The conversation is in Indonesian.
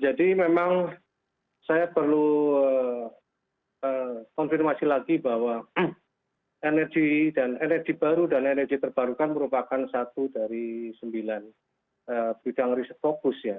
jadi memang saya perlu konfirmasi lagi bahwa energi baru dan energi terbarukan merupakan satu dari sembilan bidang riset fokus ya